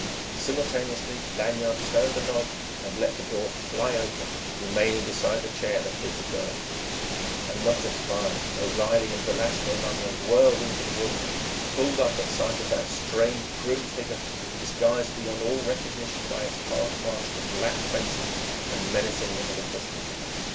Simultaneously Lanyard turned the knob and let the door fly open, remaining beside the chair that hid the girl. A knot of spies, O'Reilly and Velasco among them, whirled into the room, pulled up at sight of that strange, grim figure, disguised beyond all recognition by its half mask of black, facing and menacing them with a pistol.